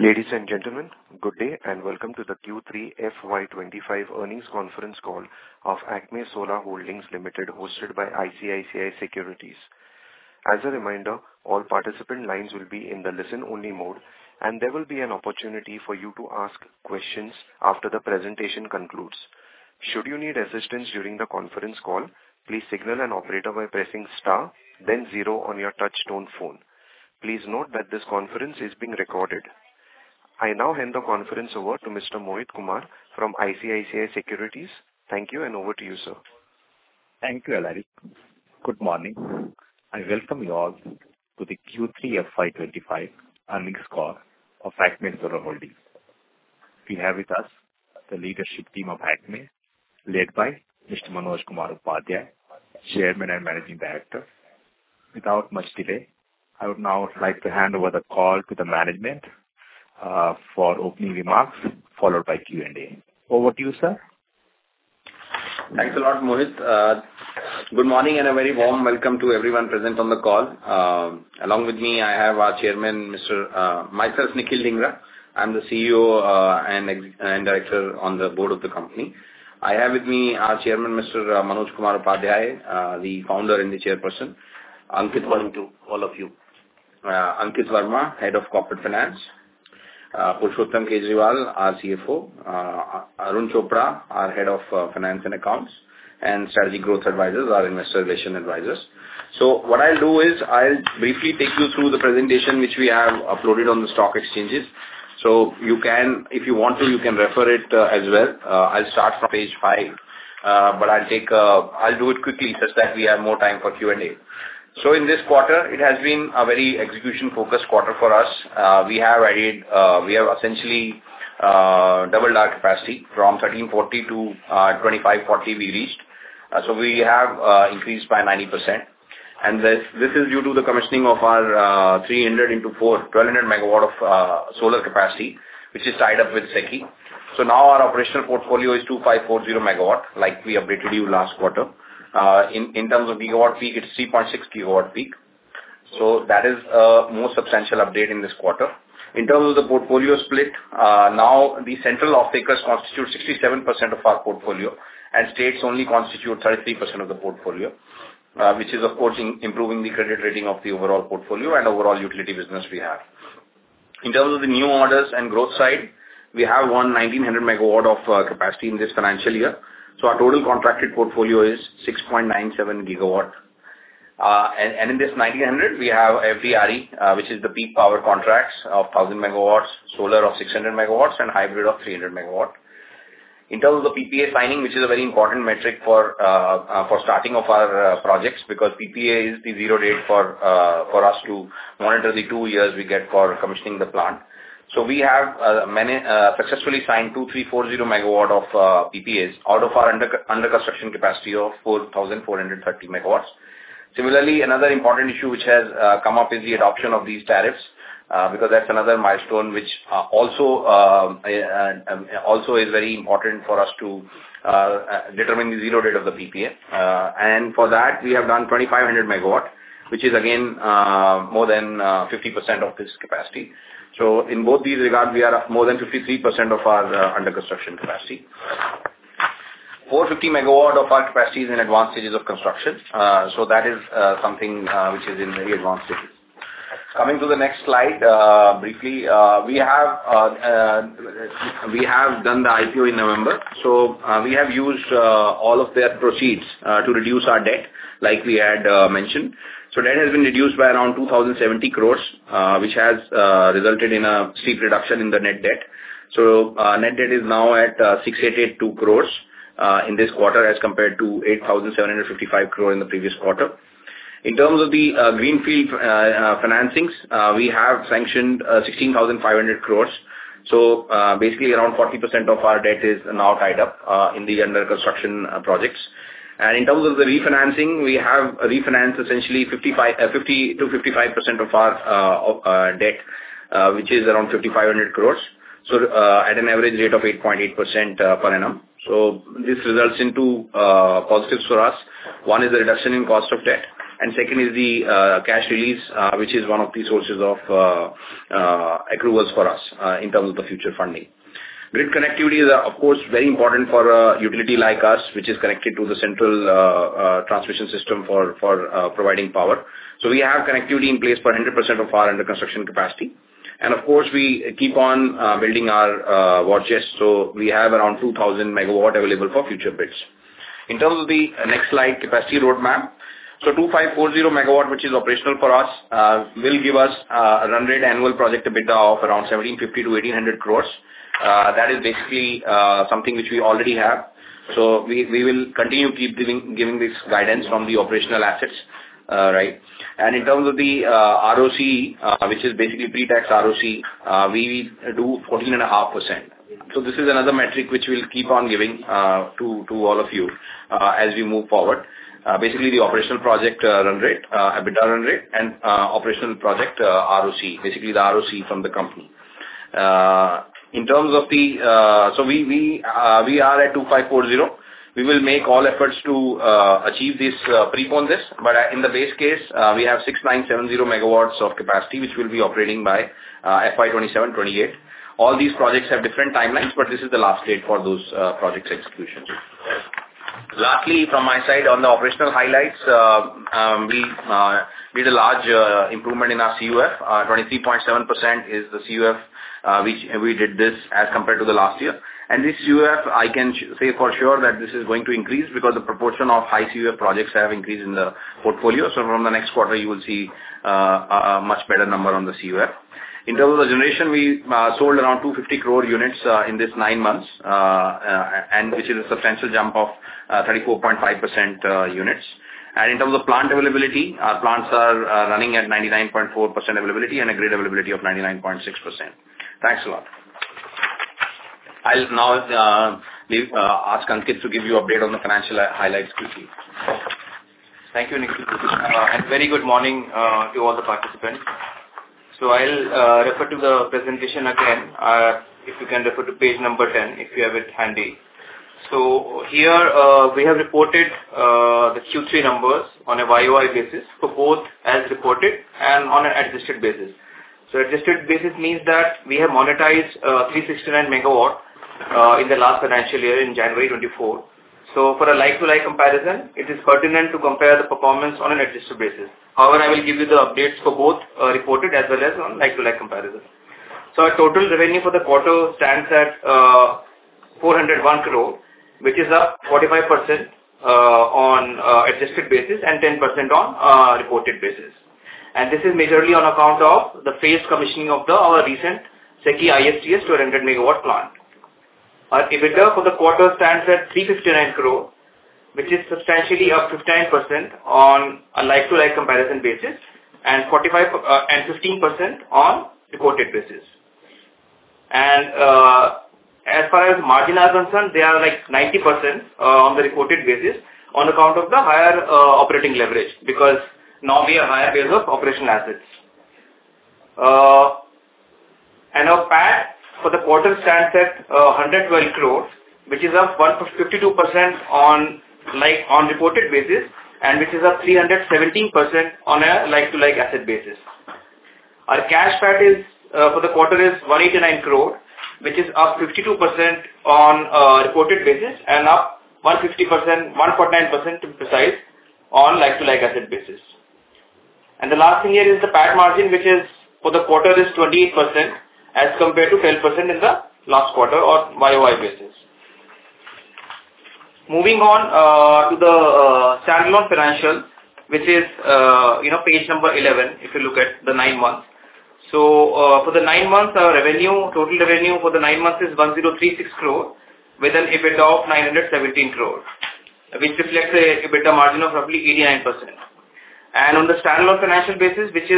Ladies and gentlemen, good day and welcome to the Q3 FY25 earnings conference call of ACME Solar Holdings Limited, hosted by ICICI Securities. As a reminder, all participant lines will be in the listen-only mode, and there will be an opportunity for you to ask questions after the presentation concludes. Should you need assistance during the conference call, please signal an operator by pressing star, then zero on your touch-tone phone. Please note that this conference is being recorded. I now hand the conference over to Mr. Mohit Kumar from ICICI Securities. Thank you, and over to you, sir. Thank you, Ellery. Good morning. I welcome you all to the Q3 FY25 earnings call of ACME Solar Holdings. We have with us the leadership team of ACME, led by Mr. Manoj Kumar Upadhyay, Chairman and Managing Director. Without much delay, I would now like to hand over the call to the management for opening remarks, followed by Q&A. Over to you, sir. Thanks a lot, Mohit. Good morning and a very warm welcome to everyone present on the call. I'm the CEO and director on the board of the company. I have with me our Chairman, Mr. Manoj Kumar Upadhyay, the founder and the chairperson. Thank you all of you. Ankit Verma, Head of Corporate Finance. Purushottam Kejriwal, our CFO. Arun Chopra, our Head of Finance and Accounts and Strategic Growth Advisors, our Investor Relations Advisors. So what I'll do is I'll briefly take you through the presentation which we have uploaded on the stock exchanges. So if you want to, you can refer it as well. I'll start from page five, but I'll do it quickly such that we have more time for Q&A. So in this quarter, it has been a very execution-focused quarter for us. We have essentially doubled our capacity from 1,340 to 2,540 we reached. So we have increased by 90%. And this is due to the commissioning of our 300 into 4, 1,200 megawatt of solar capacity, which is tied up with SECI. So now our operational portfolio is 2,540 megawatt, like we updated you last quarter. In terms of gigawatt peak, it's 3.6 gigawatt peak. So that is a more substantial update in this quarter. In terms of the portfolio split, now the central off-takers constitute 67% of our portfolio, and states only constitute 33% of the portfolio, which is, of course, improving the credit rating of the overall portfolio and overall utility business we have. In terms of the new orders and growth side, we have won 1,900 megawatt of capacity in this financial year. So our total contracted portfolio is 6.97 gigawatt. And in this 1,900, we have FDRE, which is the peak power contracts of 1,000 megawatts, solar of 600 megawatts, and hybrid of 300 megawatt. In terms of the PPA signing, which is a very important metric for starting of our projects, because PPA is the zero date for us to monitor the two years we get for commissioning the plant. We have successfully signed 2,340 megawatts of PPAs out of our under-construction capacity of 4,430 megawatts. Similarly, another important issue which has come up is the adoption of these tariffs, because that's another milestone which also is very important for us to determine the zero date of the PPA. For that, we have done 2,500 megawatts, which is, again, more than 50% of this capacity. In both these regards, we are up more than 53% of our under-construction capacity. 450 megawatts of our capacity is in advanced stages of construction. That is something which is in very advanced stages. Coming to the next slide, briefly, we have done the IPO in November. We have used all of their proceeds to reduce our debt, like we had mentioned. Debt has been reduced by around 2,070 crores, which has resulted in a steep reduction in the net debt. Net debt is now at 6,882 crores in this quarter as compared to 8,755 crores in the previous quarter. In terms of the greenfield financings, we have sanctioned 16,500 crores. Basically, around 40% of our debt is now tied up in the under-construction projects. In terms of the refinancing, we have refinanced essentially 50%-55% of our debt, which is around 5,500 crores, so at an average rate of 8.8% per annum. This results in two positives for us. One is the reduction in cost of debt, and second is the cash release, which is one of the sources of accruals for us in terms of the future funding. Grid connectivity is, of course, very important for a utility like us, which is connected to the central transmission system for providing power, so we have connectivity in place for 100% of our under-construction capacity, and of course, we keep on building our war chests, so we have around 2,000 megawatt available for future bids. In terms of the next slide, capacity roadmap, so 2,540 megawatt, which is operational for us, will give us a run rate annual project EBITDA of around 1,750-1,800 crores. That is basically something which we already have, so we will continue to keep giving this guidance from the operational assets. Right? And in terms of the ROC, which is basically pre-tax ROC, we do 14.5%, so this is another metric which we'll keep on giving to all of you as we move forward. Basically, the operational project run rate, EBITDA run rate, and operational project ROC, basically the ROC from the company. In terms of, so we are at 2,540. We will make all efforts to achieve this, prepone this, but in the base case, we have 6,970 megawatts of capacity, which we'll be operating by FY27-28. All these projects have different timelines, but this is the last date for those projects' execution. Lastly, from my side on the operational highlights, we did a large improvement in our CUF. 23.7% is the CUF we did this as compared to the last year, and this CUF, I can say for sure that this is going to increase because the proportion of high CUF projects have increased in the portfolio, so from the next quarter, you will see a much better number on the CUF. In terms of the generation, we sold around 250 crore units in this nine months, which is a substantial jump of 34.5% units. And in terms of plant availability, our plants are running at 99.4% availability and a grid availability of 99.6%. Thanks a lot. I'll now ask Ankit to give you an update on the financial highlights quickly. Thank you, Nikhil. And very good morning to all the participants. So I'll refer to the presentation again, if you can refer to page number 10, if you have it handy. So here we have reported the Q3 numbers on a YoY basis for both as reported and on an adjusted basis. So adjusted basis means that we have monetized 369 megawatt in the last financial year in January 2024. So for a like-for-like comparison, it is pertinent to compare the performance on an adjusted basis. However, I will give you the updates for both reported as well as on like-to-like comparison. Our total revenue for the quarter stands at 401 crore, which is up 45% on adjusted basis and 10% on reported basis. This is majorly on account of the phased commissioning of our recent SECI ISGS 200 megawatt plant. Our EBITDA for the quarter stands at 359 crore, which is substantially up 59% on a like-to-like comparison basis and 15% on reported basis. As far as marginal concern, they are like 90% on the reported basis on account of the higher operating leverage because now we have a higher base of operational assets. Our PAT for the quarter stands at 112 crore, which is up 52% on reported basis and which is up 317% on a like-to-like asset basis. Our cash PAT for the quarter is 189 crore, which is up 52% on reported basis and up 150%, 149% to be precise, on like-for-like asset basis, and the last thing here is the PAT margin, which for the quarter is 28% as compared to 12% in the last quarter on YoY basis. Moving on to the standalone financial, which is page number 11, if you look at the nine months, so for the nine months, our total revenue for the nine months is 1036 crore, with an EBITDA of 917 crore, which reflects an EBITDA margin of roughly 89%, and on the standalone financial basis, which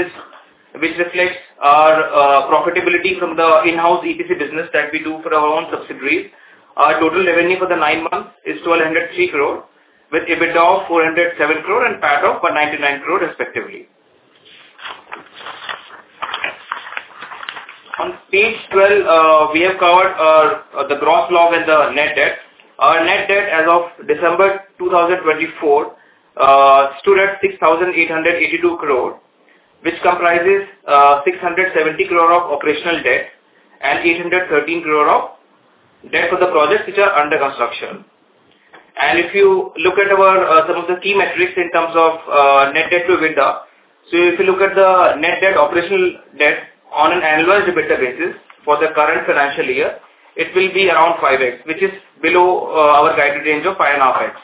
reflects our profitability from the in-house EPC business that we do for our own subsidiaries, our total revenue for the nine months is 1,203 crore, with EBITDA of 407 crore and PAT of 199 crore, respectively. On page 12, we have covered the gross block and the net debt. Our net debt as of December 2024 stood at 6,882 crore, which comprises 670 crore of operational debt and 813 crore of debt for the projects which are under construction. And if you look at some of the key metrics in terms of net debt to EBITDA, so if you look at the net debt operational debt on an annualized EBITDA basis for the current financial year, it will be around 5X, which is below our guided range of 5.5X.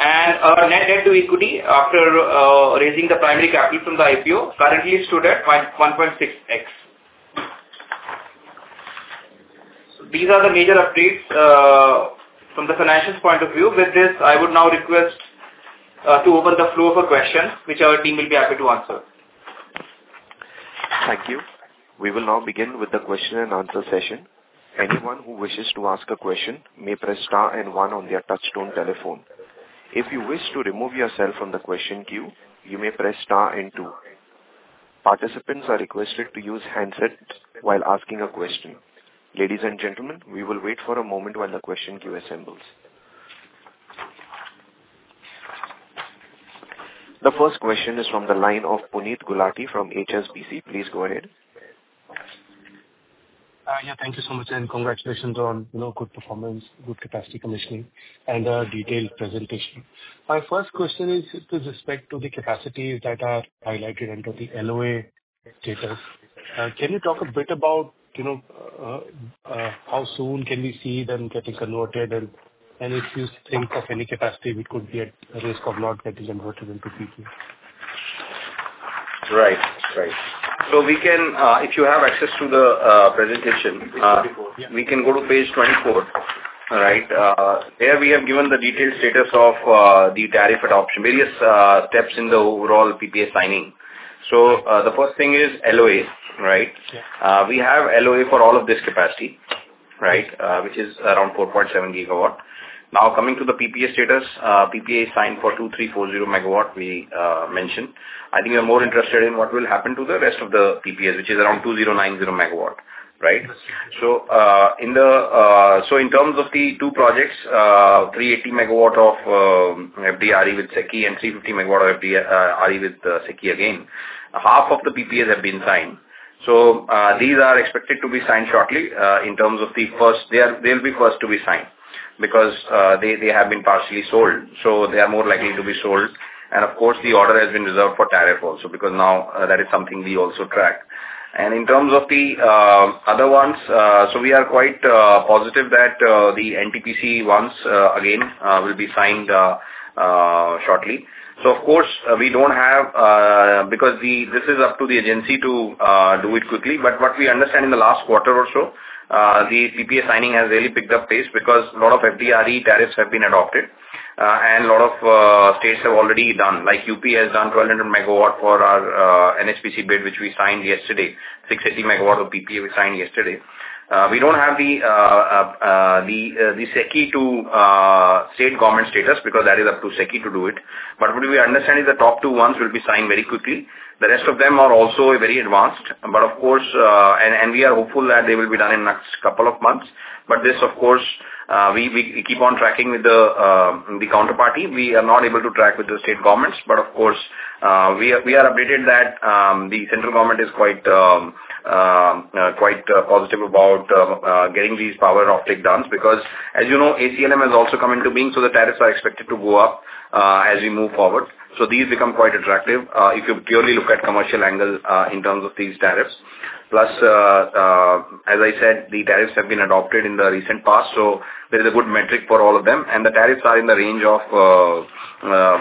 And our net debt to equity after raising the primary capital from the IPO currently stood at 1.6X. So these are the major updates from the financials point of view. With this, I would now request to open the floor for questions, which our team will be happy to answer. Thank you. We will now begin with the question and answer session. Anyone who wishes to ask a question may press star and one on their touch-tone telephone. If you wish to remove yourself from the question queue, you may press star and two. Participants are requested to use handset while asking a question. Ladies and gentlemen, we will wait for a moment while the question queue assembles. The first question is from the line of Puneet Gulati from HSBC. Please go ahead. Yeah, thank you so much, and congratulations on good performance, good capacity commissioning, and a detailed presentation. My first question is with respect to the capacity that are highlighted under the LOA status. Can you talk a bit about how soon can we see them getting converted, and if you think of any capacity which could be at risk of not getting converted into PPA? Right. So if you have access to the presentation, we can go to page 24. Right? There we have given the detailed status of the tariff adoption, various steps in the overall PPA signing. So the first thing is LOA. Right? We have LOA for all of this capacity, right, which is around 4.7 gigawatt. Now, coming to the PPA status, PPA signed for 2,340 megawatt we mentioned. I think you're more interested in what will happen to the rest of the PPAs, which is around 2,090 megawatt. Right? So in terms of the two projects, 380 megawatt of FDRE with SECI and 350 megawatt of FDRE with SECI again, half of the PPAs have been signed. So these are expected to be signed shortly in terms of the first they'll be first to be signed because they have been partially sold. So they are more likely to be sold. And of course, the order has been reserved for tariff also because now that is something we also track. And in terms of the other ones, so we are quite positive that the NTPC ones again will be signed shortly. So of course, we don't have because this is up to the agency to do it quickly. But what we understand in the last quarter or so, the PPA signing has really picked up pace because a lot of FDRE tariffs have been adopted, and a lot of states have already done. Like UP has done 1,200 megawatt for our NHPC bid, which we signed yesterday, 680 megawatt of PPA we signed yesterday. We don't have the SECI to state government status because that is up to SECI to do it. But what we understand is the top two ones will be signed very quickly. The rest of them are also very advanced. But of course, and we are hopeful that they will be done in the next couple of months. But this, of course, we keep on tracking with the counterparty. We are not able to track with the state governments. But of course, we are updated that the central government is quite positive about getting these PPAs done because, as you know, ACME has also come into being. So the tariffs are expected to go up as we move forward. So these become quite attractive if you purely look at commercial angle in terms of these tariffs. Plus, as I said, the tariffs have been adopted in the recent past. So there is a good metric for all of them. The tariffs are in the range of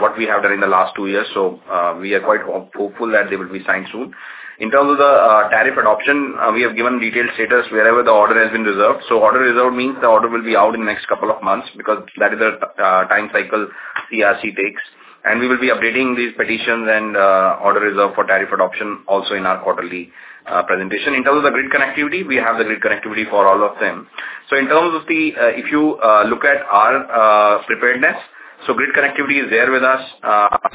what we have done in the last two years. We are quite hopeful that they will be signed soon. In terms of the tariff adoption, we have given detailed status wherever the order has been reserved. Order reserved means the order will be out in the next couple of months because that is the time cycle CERC takes. We will be updating these petitions and order reserved for tariff adoption also in our quarterly presentation. In terms of the grid connectivity, we have the grid connectivity for all of them. In terms of if you look at our preparedness, grid connectivity is there with us.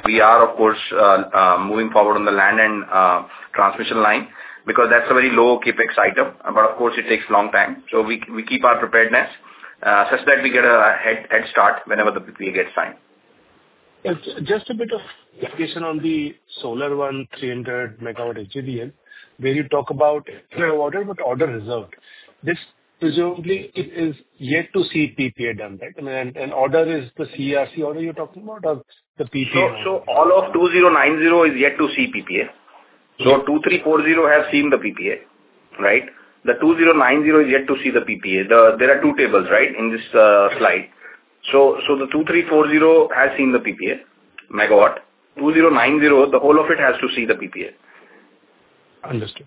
We are, of course, moving forward on the land and transmission line because that's a very low CAPEX item. Of course, it takes a long time. So we keep our preparedness such that we get a head start whenever the PPA gets signed. Just a bit of education on the solar one, 300 megawatt S, where you talk about order, but order reserved. This presumably is yet to see PPA done, right? And order is the CERC order you're talking about or the PPA? So all of 2090 is yet to see PPA. So 2340 has seen the PPA, right? The 2090 is yet to see the PPA. There are two tables, right, in this slide. So the 2340 has seen the PPA megawatt. 2090, the whole of it has to see the PPA. Understood.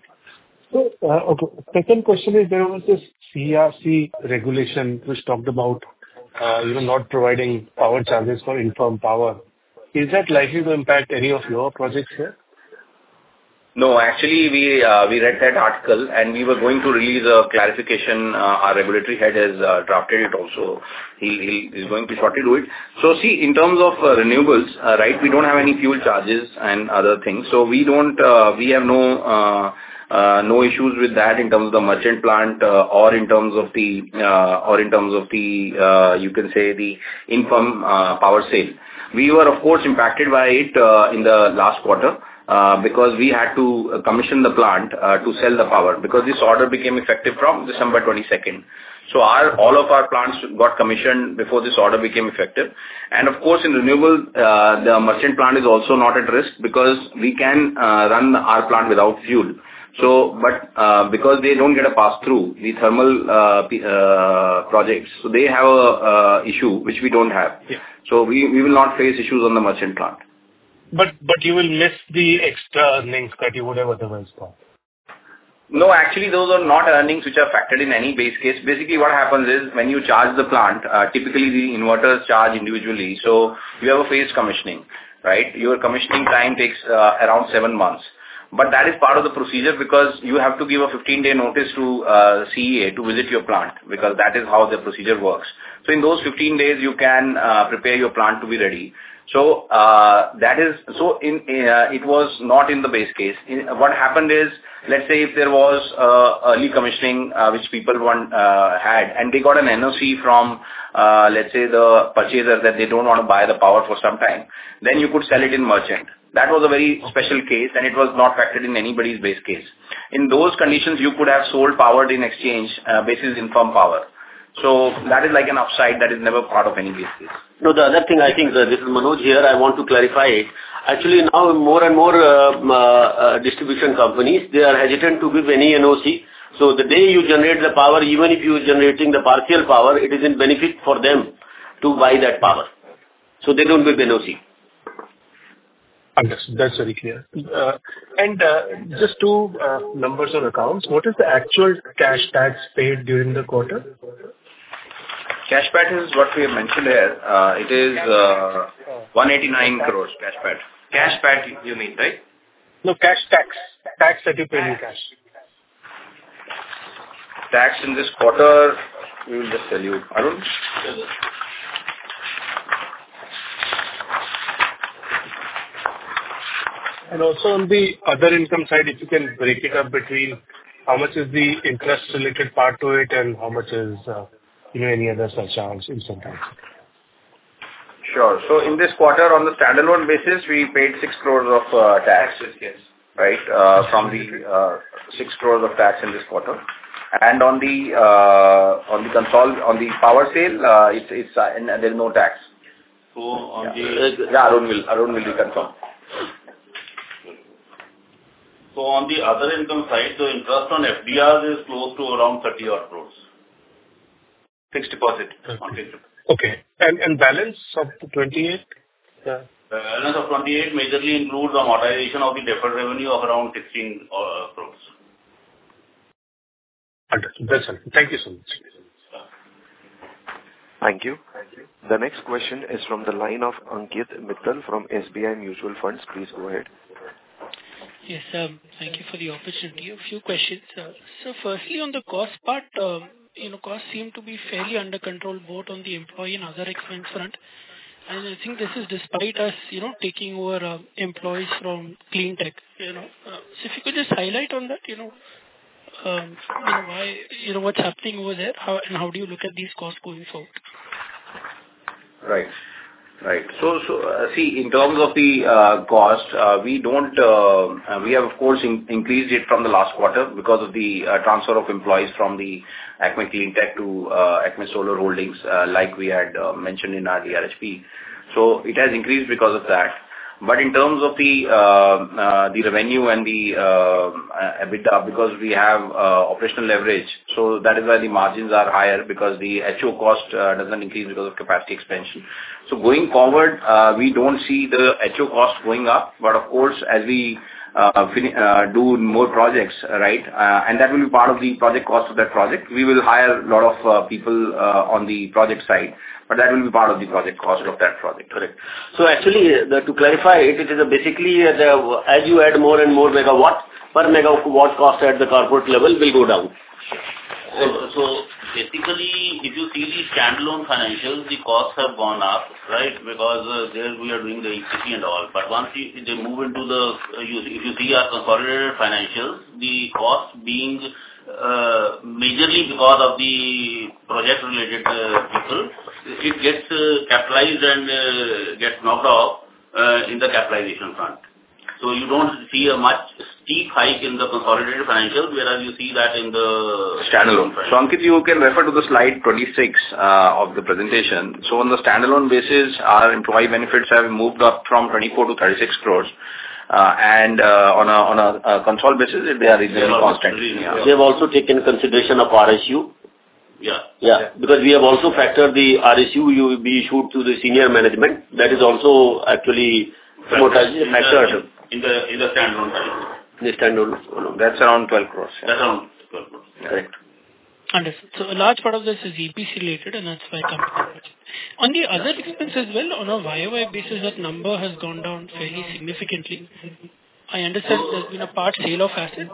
Okay. Second question is there was this CERC regulation which talked about not providing power charges for infirm power. Is that likely to impact any of your projects here? No. Actually, we read that article, and we were going to release a clarification. Our regulatory head has drafted it also. He's going to shortly do it. So see, in terms of renewables, right, we don't have any fuel charges and other things. So we have no issues with that in terms of the merchant plant or in terms of the, you can say, the infirm power sale. We were, of course, impacted by it in the last quarter because we had to commission the plant to sell the power because this order became effective from December 22nd. So all of our plants got commissioned before this order became effective. And of course, in renewables, the merchant plant is also not at risk because we can run our plant without fuel. But because they don't get a pass-through, the thermal projects, so they have an issue, which we don't have, so we will not face issues on the merchant plant. But you will miss the extra earnings that you would have otherwise got? No. Actually, those are not earnings which are factored in any base case. Basically, what happens is when you charge the plant, typically the inverters charge individually, so you have a phased commissioning, right? Your commissioning time takes around seven months, but that is part of the procedure because you have to give a 15-day notice to CEA to visit your plant because that is how the procedure works, so in those 15 days, you can prepare your plant to be ready, so it was not in the base case. What happened is, let's say if there was early commissioning which people had, and they got an NOC from, let's say, the purchaser that they don't want to buy the power for some time, then you could sell it in merchant. That was a very special case, and it was not factored in anybody's base case. In those conditions, you could have sold power on exchange basis or firm power. So that is like an upside that is never part of any base case. No, the other thing. I think this is Manoj here. I want to clarify it. Actually, now more and more distribution companies, they are hesitant to give any NOC. So the day you generate the power, even if you're generating the partial power, it is in benefit for them to buy that power. So they don't give NOC. Understood. That's very clear and just two numbers on accounts. What is the actual cash tax paid during the quarter? Cash PAT is what we have mentioned here. It is 189 crore cash PAT. Cash PAT, you mean, right? No, cash tax. Tax that you pay in cash. Tax in this quarter, we will just tell you. And also on the other income side, if you can break it up between how much is the interest-related part to it and how much is any other such charges incentive? Sure. So in this quarter, on the standalone basis, we paid six crore of tax, right, from the six crore of tax in this quarter. And on the power sale, there is no tax. On the. Yeah, Arun will be confirmed. On the other income side, the interest on FDRs is close to around 30-odd crores. Fixed deposit. Okay. And balance of 28? The balance of 28 majorly includes the amortization of the deferred revenue of around 16 crores. Understood. That's all. Thank you so much. Thank you. The next question is from the line of Ankit Mittal from SBI Mutual Funds. Please go ahead. Yes, sir. Thank you for the opportunity. A few questions. So firstly, on the cost part, costs seem to be fairly under control both on the employee and other expense front. And I think this is despite us taking over employees from Cleantech. So if you could just highlight on that what's happening over there and how do you look at these costs going forward? Right. Right. So see, in terms of the cost, we have, of course, increased it from the last quarter because of the transfer of employees from the ACME Cleantech to ACME Solar Holdings like we had mentioned in our DRHP. So it has increased because of that. But in terms of the revenue and the EBITDA because we have operational leverage. So that is why the margins are higher because the HO cost doesn't increase because of capacity expansion. So going forward, we don't see the HO cost going up. But of course, as we do more projects, right, and that will be part of the project cost of that project, we will hire a lot of people on the project side. But that will be part of the project cost of that project. Correct. So actually, to clarify it, it is basically as you add more and more megawatt, per megawatt cost at the corporate level will go down. So basically, if you see the standalone financials, the costs have gone up, right, because there we are doing the EPC and all. But once they move into the, if you see our consolidated financials, the cost being majorly because of the project-related people, it gets capitalized and gets knocked off in the capitalization front. So you don't see a much steep hike in the consolidated financials whereas you see that in the. Standalone. Ankit, you can refer to the slide 26 of the presentation. On the standalone basis, our employee benefits have moved up from 24 crores to 36 crores. On a consolidated basis, they are reasonably constant. They have also taken consideration of RSU? Yeah. Yeah. Because we have also factored the RSU will be issued to the senior management. That is also actually factored. In the standalone value. In the standalone. That's around 12 crores. That's around 12 crores. Correct. Understood. So a large part of this is EPC-related, and that's why companies are purchasing. On the other expense as well, on a YOY basis, that number has gone down fairly significantly. I understand there's been a part sale of assets.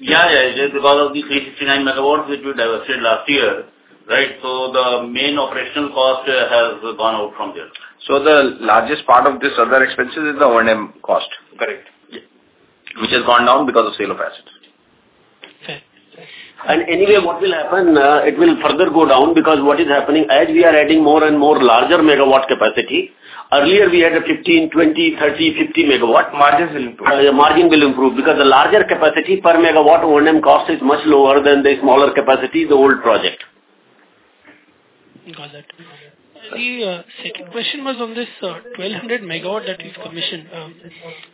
Yeah. It is because of the 369 megawatts which we divested last year, right? So the main operational cost has gone out from there. So the largest part of this other expenses is the O&M cost. Correct. Which has gone down because of sale of assets. And anyway, what will happen? It will further go down because what is happening as we are adding more and more larger megawatt capacity. Earlier, we had a 15, 20, 30, 50 megawatt. Margins will improve. Margin will improve because the larger capacity per megawatt O&M cost is much lower than the smaller capacity, the old project. Got it. The second question was on this 1,200 megawatt that you've commissioned.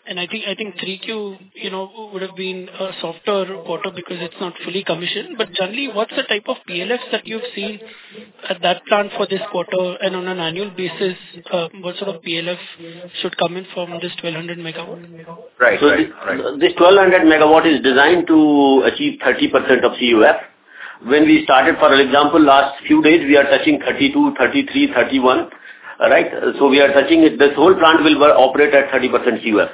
And I think 3Q would have been a softer quarter because it's not fully commissioned. But generally, what's the type of PLFs that you've seen at that plant for this quarter? And on an annual basis, what sort of PLFs should come in from this 1,200 megawatt? Right. This 1,200 megawatt is designed to achieve 30% of CUF. When we started, for example, last few days, we are touching 32%, 33%, 31%, right? We are touching. This whole plant will operate at 30% CUF.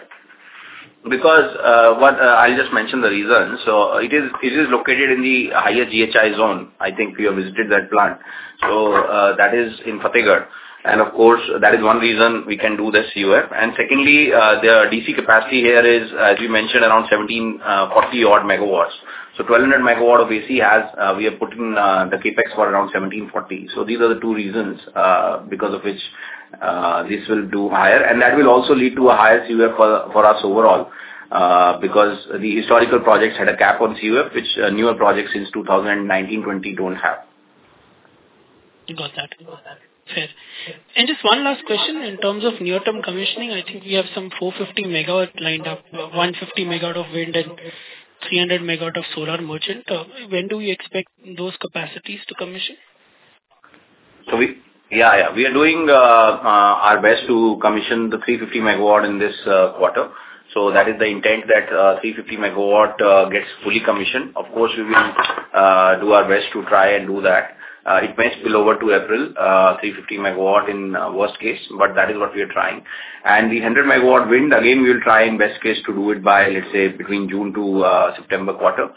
I'll just mention the reason. It is located in the highest GHI zone. I think we have visited that plant. That is in Fatehgarh. Of course, that is one reason we can do this CUF. Secondly, the DC capacity here is, as you mentioned, around 1,740 megawatts. 1,200 megawatt of AC we are putting the CAPEX for around 1,740. These are the two reasons because of which this will do higher. That will also lead to a higher CUF for us overall because the historical projects had a cap on CUF, which newer projects since 2019, 20 don't have. Got that. Fair. And just one last question. In terms of near-term commissioning, I think we have some 450 megawatt lined up, 150 megawatt of wind, and 300 megawatt of solar merchant. When do we expect those capacities to commission? Yeah. Yeah. We are doing our best to commission the 350 megawatt in this quarter. So that is the intent that 350 megawatt gets fully commissioned. Of course, we will do our best to try and do that. It may spill over to April, 350 megawatt in worst case, but that is what we are trying. And the 100 megawatt wind, again, we will try in best case to do it by, let's say, between June to September quarter.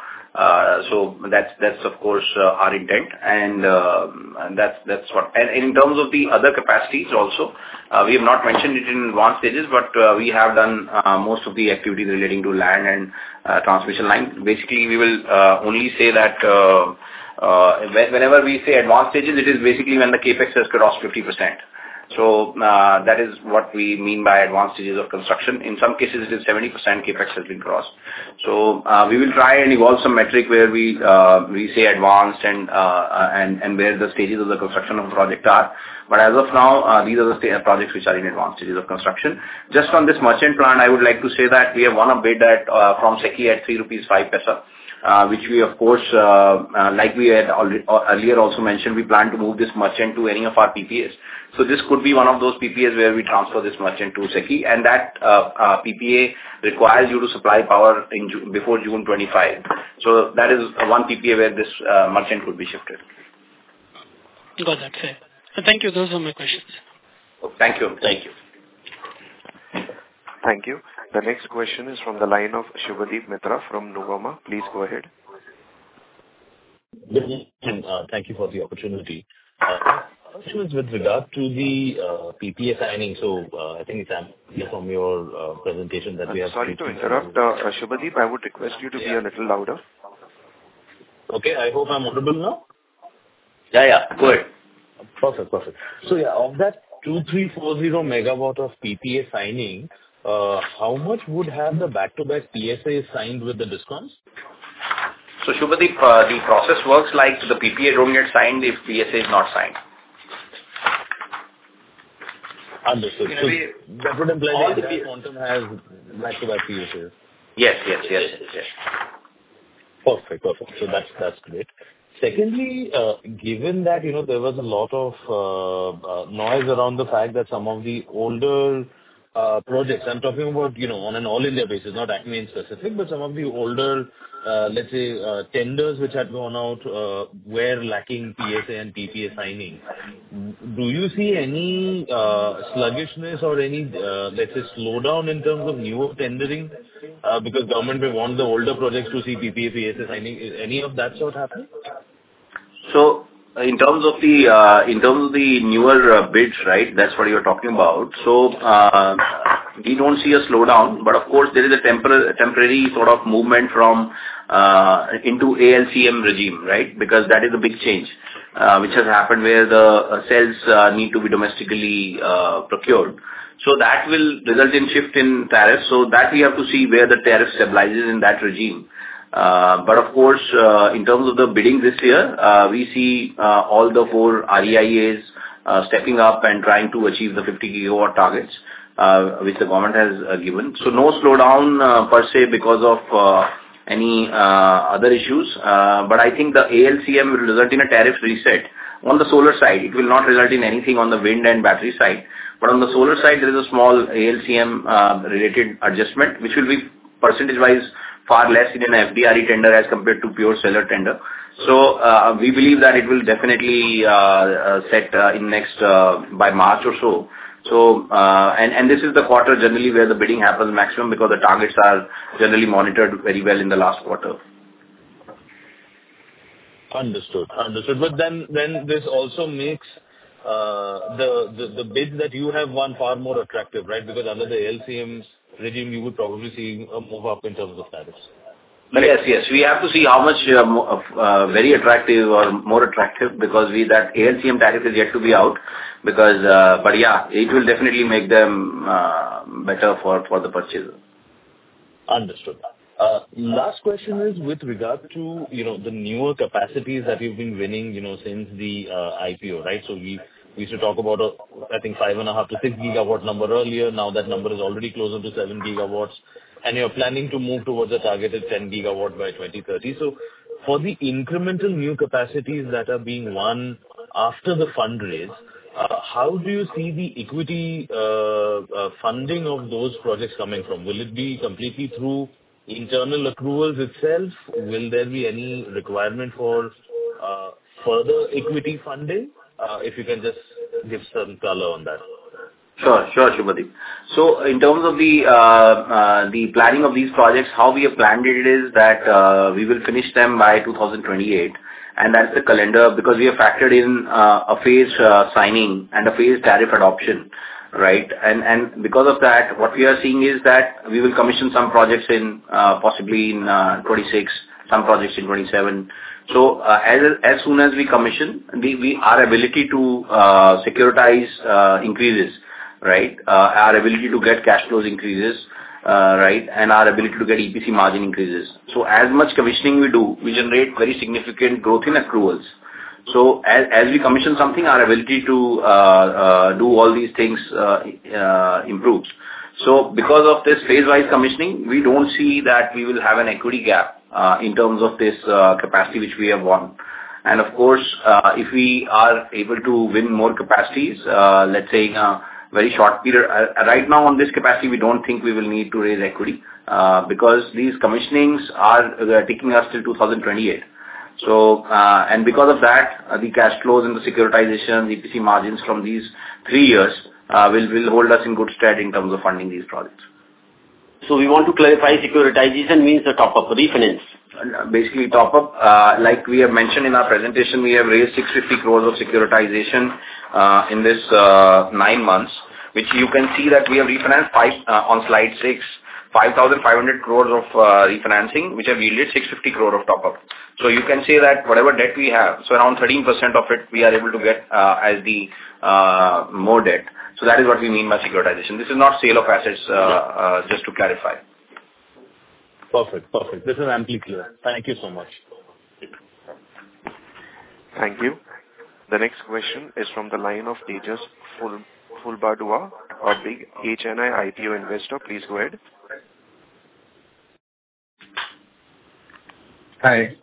So that's, of course, our intent. And that's what. And in terms of the other capacities also, we have not mentioned it in advanced stages, but we have done most of the activity relating to land and transmission line. Basically, we will only say that whenever we say advanced stages, it is basically when the CAPEX has crossed 50%. So that is what we mean by advanced stages of construction. In some cases, it is 70% CAPEX has been crossed. So we will try and evolve some metric where we say advanced and where the stages of the construction of the project are. But as of now, these are the projects which are in advanced stages of construction. Just on this merchant plant, I would like to say that we have won a bid from SECI at 3.05 rupees, which we, of course, like we had earlier also mentioned, we plan to move this merchant to any of our PPAs. So this could be one of those PPAs where we transfer this merchant to SECI. That PPA requires you to supply power before June 25. So that is one PPA where this merchant could be shifted. Got that. Fair. Thank you. Those are my questions. Thank you. Thank you. Thank you. The next question is from the line of Shivdeep Mittal from Nuvama. Please go ahead. Good evening. Thank you for the opportunity. The question is with regard to the PPA signing. So I think it's clear from your presentation that we have to. Sorry to interrupt, Shivdeep. I would request you to be a little louder. Okay. I hope I'm audible now. Yeah. Yeah. Go ahead. Perfect. Perfect. So yeah, of that 2340 megawatt of PPA signing, how much would have the back-to-back PSAs signed with the Discoms? So Shivdeep, the process works like the PPA don't get signed if PSA is not signed. Understood. That would imply that the quantum has back-to-back PSAs. Yes. Yes. Yes. Yes. Perfect. Perfect. So that's great. Secondly, given that there was a lot of noise around the fact that some of the older projects, I'm talking about on an all-India basis, not ACME in specific, but some of the older, let's say, tenders which had gone out were lacking PSA and PPA signing. Do you see any sluggishness or any, let's say, slowdown in terms of newer tendering because government may want the older projects to see PPA/PSA signing? Any of that sort happen? So in terms of the newer bids, right, that's what you're talking about. We don't see a slowdown. Of course, there is a temporary sort of movement into ALMM regime, right, because that is a big change which has happened where the cells need to be domestically procured. That will result in shift in tariffs. We have to see where the tariff stabilizes in that regime. Of course, in terms of the bidding this year, we see all the four REIAs stepping up and trying to achieve the 50-gigawatt targets which the government has given. No slowdown per se because of any other issues. I think the ALMM will result in a tariff reset. On the solar side, it will not result in anything on the wind and battery side. But on the solar side, there is a small ALMM-related adjustment which will be percentage-wise far less in an FDRE tender as compared to pure solar tender. So we believe that it will definitely set in next by March or so. And this is the quarter generally where the bidding happens maximum because the targets are generally monitored very well in the last quarter. Understood. Understood. But then this also makes the bids that you have won far more attractive, right, because under the ALMM regime, you would probably see a move-up in terms of tariffs. Yes. Yes. We have to see how much very attractive or more attractive because that ALMM tariff is yet to be out. But yeah, it will definitely make them better for the purchasers. Understood. Last question is with regard to the newer capacities that you've been winning since the IPO, right? So we used to talk about, I think, 5.5-6 gigawatt number earlier. Now that number is already closer to 7 gigawatts. And you're planning to move towards a targeted 10 gigawatt by 2030. So for the incremental new capacities that are being won after the fundraise, how do you see the equity funding of those projects coming from? Will it be completely through internal accruals itself? Will there be any requirement for further equity funding if you can just give some color on that? Sure. Sure, Shivdeep. So in terms of the planning of these projects, how we have planned it is that we will finish them by 2028. And that's the calendar because we have factored in a phased signing and a phased tariff adoption, right? And because of that, what we are seeing is that we will commission some projects possibly in 2026, some projects in 2027. So as soon as we commission, our ability to securitize increases, right, our ability to get cash flows increases, right, and our ability to get EPC margin increases. So as much commissioning we do, we generate very significant growth in accruals. So as we commission something, our ability to do all these things improves. So because of this phase-wise commissioning, we don't see that we will have an equity gap in terms of this capacity which we have won. Of course, if we are able to win more capacities, let's say in a very short period, right now on this capacity, we don't think we will need to raise equity because these commissionings are taking us to 2028. Because of that, the cash flows and the securitization, the EPC margins from these three years will hold us in good stead in terms of funding these projects. We want to clarify securitization means the top-up refinance. Basically, top-up. Like we have mentioned in our presentation, we have raised 650 crores of securitization in these nine months, which you can see that we have refinanced on slide six, 5,500 crores of refinancing, which have yielded 650 crores of top-up. So you can see that whatever debt we have, so around 13% of it, we are able to get as the more debt. So that is what we mean by securitization. This is not sale of assets just to clarify. Perfect. Perfect. This is amply clear. Thank you so much. Thank you. The next question is from the line of Tejas Fulbardua or Big HNI IPO Investor. Please go ahead. Hi.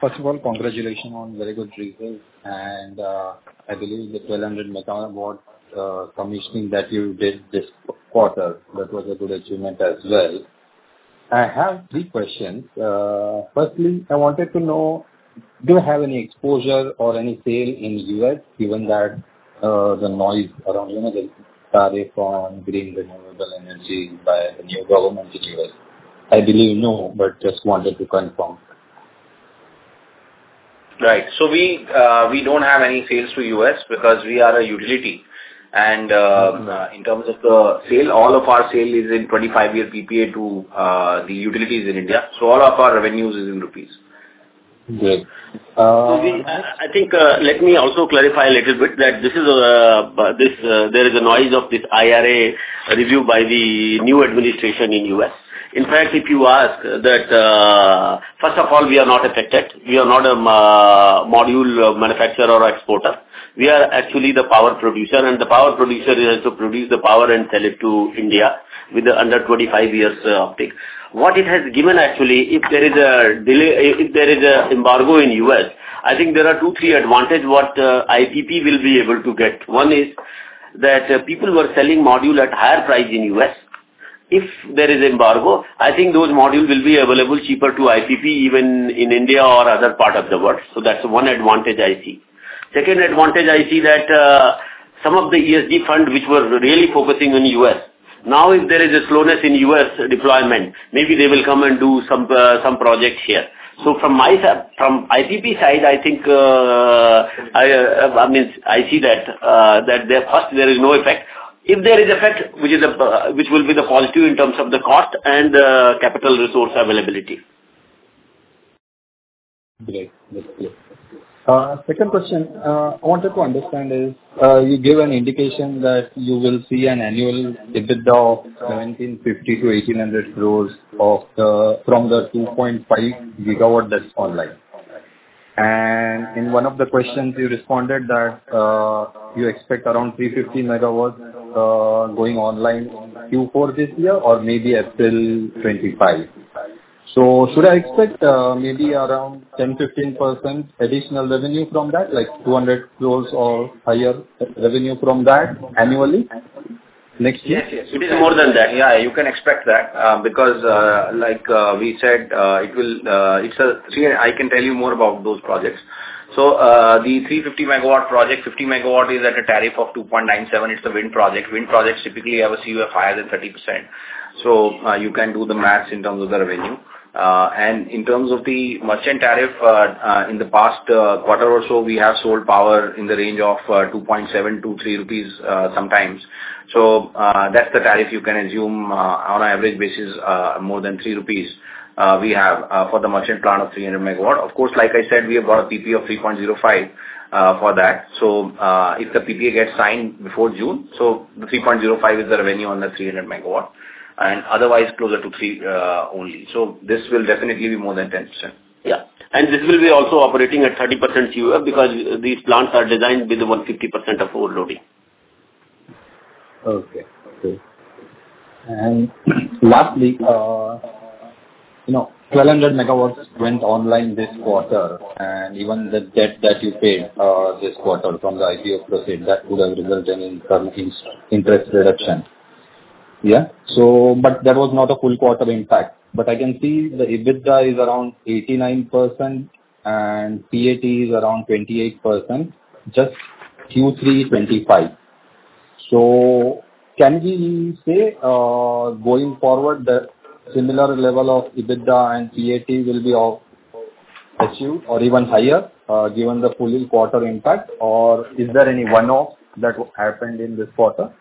First of all, congratulations on very good results. I believe the 1,200-megawatt commissioning that you did this quarter, that was a good achievement as well. I have three questions. Firstly, I wanted to know, do you have any exposure or any sale in the U.S., given that the noise around energy tariff on green renewable energy by the new government in the U.S.? I believe no, but just wanted to confirm. Right. So we don't have any sales to U.S. because we are a utility. And in terms of the sale, all of our sale is in 25-year PPA to the utilities in India. So all of our revenues is in rupees. Good. So I think let me also clarify a little bit that there is a noise of this IRA review by the new administration in the U.S. In fact, if you ask that, first of all, we are not affected. We are not a module manufacturer or exporter. We are actually the power producer. And the power producer is able to produce the power and sell it to India under 25-year PPA. What it has given actually, if there is a delay, if there is an embargo in the U.S., I think there are two, three advantages what IPP will be able to get. One is that people were selling module at higher price in the U.S. If there is an embargo, I think those modules will be available cheaper to IPP even in India or other part of the world. So that's one advantage I see. Second advantage I see that some of the ESG funds, which were really focusing on the U.S., now if there is a slowness in U.S. deployment, maybe they will come and do some projects here. So from my side, from IPP side, I think, I mean, I see that there is no effect. If there is effect, which will be the positive in terms of the cost and the capital resource availability. Great. That's clear. Second question I wanted to understand is you gave an indication that you will see an annual dividend of 1,750-1,800 crores from the 2.5 gigawatt that's online. And in one of the questions, you responded that you expect around 350 megawatts going online Q4 this year or maybe April 2025. So should I expect maybe around 10-15% additional revenue from that, like 200 crores or higher revenue from that annually next year? Yes. Yes. It is more than that. Yeah. You can expect that because, like we said, it will see, I can tell you more about those projects. So the 350 megawatt project, 50 megawatt is at a tariff of 2.97. It's a wind project. Wind projects typically have a CUF higher than 30%. So you can do the math in terms of the revenue. And in terms of the merchant tariff, in the past quarter or so, we have sold power in the range of 2.7-3 rupees sometimes. So that's the tariff you can assume on an average basis, more than 3 rupees we have for the merchant plant of 300 megawatt. Of course, like I said, we have got a PPA of 3.05 for that. So if the PPA gets signed before June, so the 3.05 is the revenue on the 300 megawatt. Otherwise, closer to three only. This will definitely be more than 10%. Yeah. This will also be operating at 30% CUF because these plants are designed with the 150% of overloading. Okay. Okay. And lastly, 1,200 megawatts went online this quarter. And even the debt that you paid this quarter from the IPO process, that would have resulted in some interest reduction. Yeah. But that was not a full quarter impact. But I can see the EBITDA is around 89% and PAT is around 28%, just Q3 2025. So can we say going forward that similar level of EBITDA and PAT will be achieved or even higher given the full quarter impact, or is there any one-off that happened in this quarter?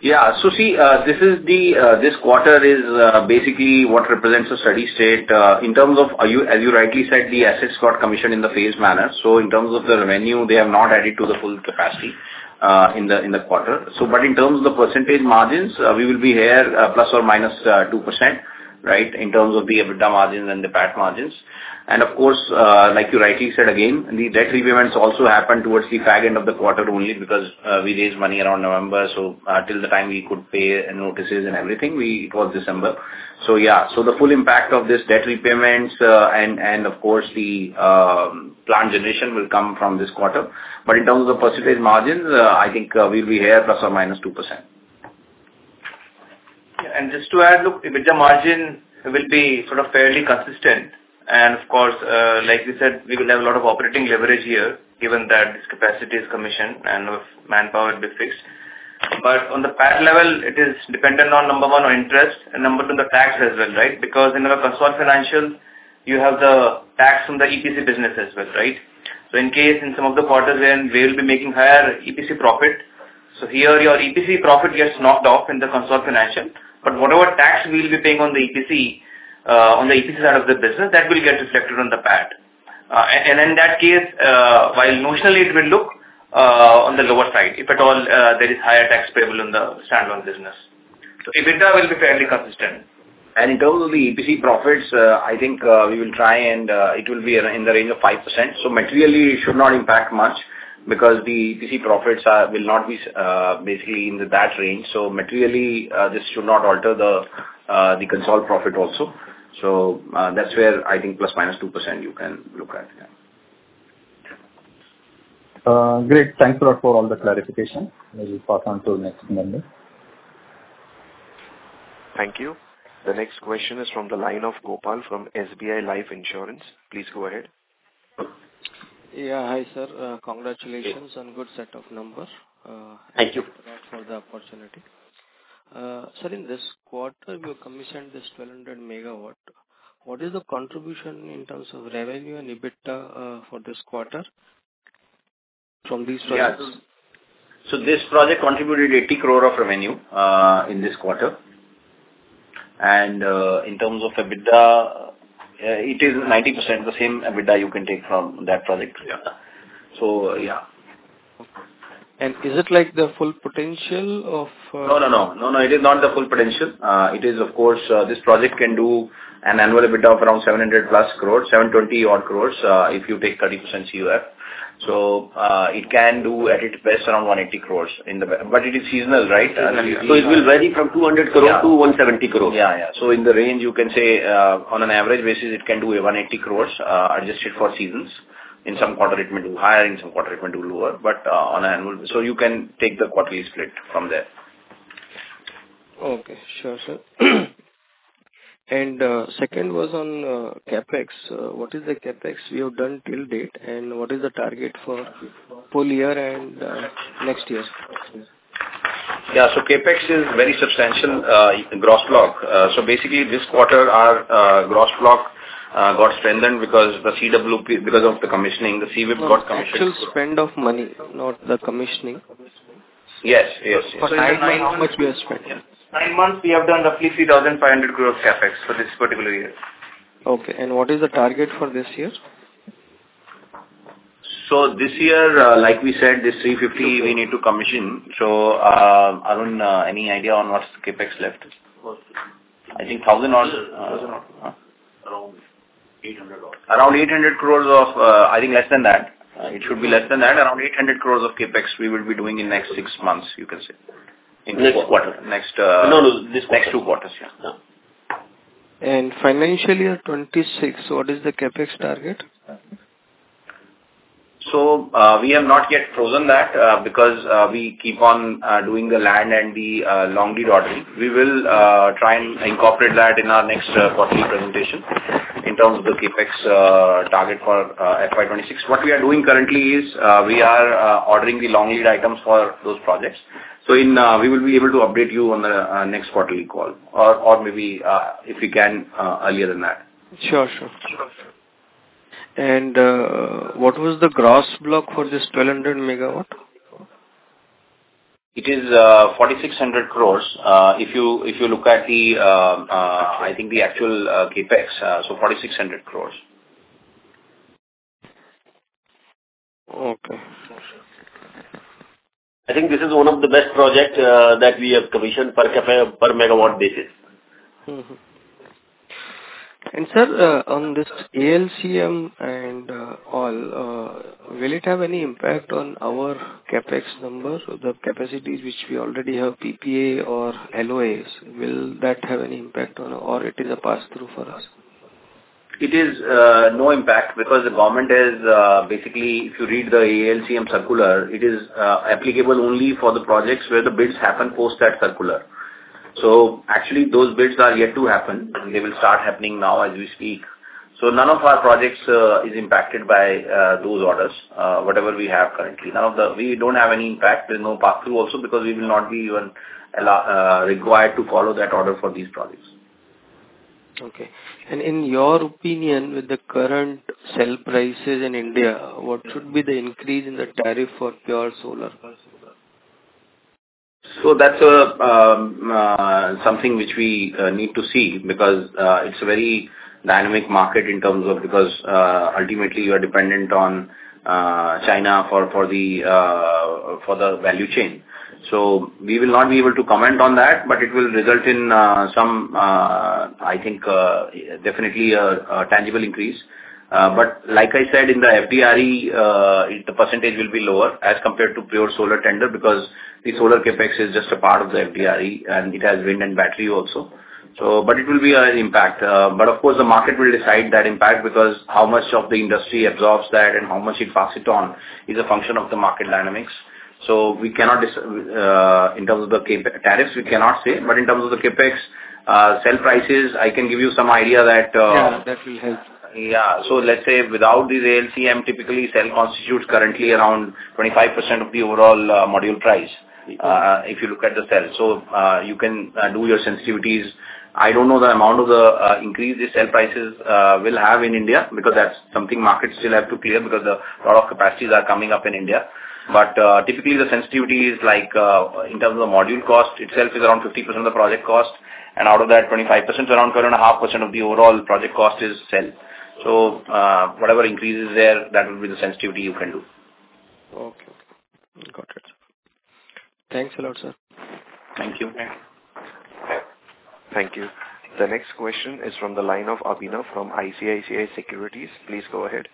Yeah. So see, this quarter is basically what represents a steady state in terms of, as you rightly said, the assets got commissioned in the phased manner. So in terms of the revenue, they have not added to the full capacity in the quarter. But in terms of the percentage margins, we will be here plus or minus 2%, right, in terms of the EBITDA margins and the PAT margins. And of course, like you rightly said again, the debt repayments also happened towards the tail end of the quarter only because we raised money around November. So until the time we could pay notices and everything, it was December. So yeah. So the full impact of this debt repayments and, of course, the plant generation will come from this quarter. But in terms of the percentage margins, I think we'll be here plus or minus 2%. Yeah. And just to add, look, EBITDA margin will be sort of fairly consistent. And of course, like we said, we will have a lot of operating leverage here given that this capacity is commissioned and manpower costs. But on the PAT level, it is dependent on number one on interest and number two on the tax as well, right? Because in the consolidated financials, you have the tax from the EPC business as well, right? So in case in some of the quarters, they will be making higher EPC profit. So here your EPC profit gets knocked off in the consolidated financials. But whatever tax we'll be paying on the EPC side of the business, that will get reflected on the PAT. And in that case, while notionally, it will look on the lower side if at all there is higher tax payable on the standalone business. EBITDA will be fairly consistent. And in terms of the EPC profits, I think we will try and it will be in the range of 5%. So materially, it should not impact much because the EPC profits will not be basically in that range. So materially, this should not alter the construction profit also. So that's where I think plus minus 2% you can look at. Great. Thanks a lot for all the clarification. We will pass on to the next member. Thank you. The next question is from the line of Gopal from SBI Life Insurance. Please go ahead. Yeah. Hi, sir. Congratulations on good set of number. Thank you. Thanks for the opportunity. Sir, in this quarter, you commissioned this 1,200 megawatt. What is the contribution in terms of revenue and EBITDA for this quarter from these projects? Yeah. So this project contributed 80 crore of revenue in this quarter. And in terms of EBITDA, it is 90% the same EBITDA you can take from that project. So yeah. Okay. And is it like the full potential of? No, no, no. No, no. It is not the full potential. It is, of course, this project can do an annual EBITDA of around 700+ crore, 720 or so crores if you take 30% CUF. So it can do at its best around 180 crore. But it is seasonal, right? So it will vary from 200 crore to 170 crore. Yeah, yeah. So in the range, you can say on an average basis, it can do 180 crore adjusted for seasons. In some quarter, it may do higher. In some quarter, it may do lower. But on an annual basis, so you can take the quarterly split from there. Okay. Sure, sir. And second was on CAPEX. What is the CAPEX you have done till date? And what is the target for full year and next year? Yeah, so CAPEX is very substantial gross block, so basically, this quarter, our gross block got strengthened because of the commissioning. The CWIP got commissioned. Actual spend of money, not the commissioning? Yes. Yes. Yes. For nine months, how much you have spent? Nine months, we have done roughly 3,500 crores CAPEX for this particular year. Okay. And what is the target for this year? So this year, like we said, this 350, we need to commission. So I don't have any idea on what's CAPEX left. I think 1,000 or around 800 crores. Around 800 crores of I think less than that. It should be less than that. Around 800 crores of CAPEX we will be doing in next six months, you can say, in this quarter. Next quarter. No, no. Next two quarters. Yeah. Financial year 2026, what is the CAPEX target? We have not yet chosen that because we keep on doing the land and the long lead ordering. We will try and incorporate that in our next quarterly presentation in terms of the CAPEX target for FY 2026. What we are doing currently is we are ordering the long lead items for those projects. We will be able to update you on the next quarterly call or maybe if we can earlier than that. Sure, sure. And what was the Gross Block for this 1,200 megawatt? It is 4,600 crores. If you look at the, I think the actual CAPEX, so 4,600 crores. Okay. I think this is one of the best projects that we have commissioned per megawatt basis. Sir, on this ALMM and all, will it have any impact on our CAPEX number, the capacities which we already have, PPA or LOAs? Will that have any impact on or it is a pass-through for us? It is no impact because the government has basically, if you read the ALMM circular, it is applicable only for the projects where the bids happen post that circular. So actually, those bids are yet to happen. They will start happening now as we speak. So none of our projects is impacted by those orders, whatever we have currently. None. We don't have any impact. There's no pass-through also because we will not be even required to follow that order for these projects. Okay, and in your opinion, with the current sale prices in India, what should be the increase in the tariff for pure solar? So that's something which we need to see because it's a very dynamic market in terms of because ultimately, you are dependent on China for the value chain. So we will not be able to comment on that, but it will result in some, I think, definitely a tangible increase. But like I said, in the FDRE, the percentage will be lower as compared to pure solar tender because the solar CAPEX is just a part of the FDRE, and it has wind and battery also. But it will be an impact. But of course, the market will decide that impact because how much of the industry absorbs that and how much it passes on is a function of the market dynamics. So we cannot decide in terms of the tariffs, we cannot say. But in terms of the CAPEX, sale prices, I can give you some idea that. Yeah. That will help. Yeah. So let's say without this ALMM, typically, cell constitutes currently around 25% of the overall module price if you look at the cell. So you can do your sensitivities. I don't know the amount of the increase these cell prices will have in India because that's something markets still have to clear because a lot of capacities are coming up in India. But typically, the sensitivity is like in terms of the module cost itself is around 50% of the project cost. And out of that, 25%, around 2.5% of the overall project cost is cell. So whatever increases there, that will be the sensitivity you can do. Okay. Got it. Thanks a lot, sir. Thank you. Thank you. The next question is from the line of Abhinav from ICICI Securities. Please go ahead.